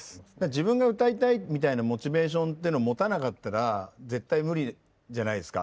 自分が歌いたいみたいなモチベーションっていうのを持たなかったら絶対無理じゃないですか。